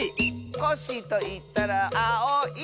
「コッシーといったらあおい！」